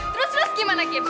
terus terus gimana kim